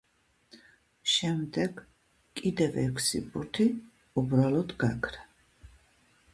შემდეგ, კიდევ ექვსი ბურთი უბრალოდ გაქრა.